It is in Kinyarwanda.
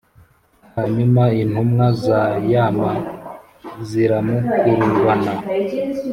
hanyuma intumwa za yama ziramukurubana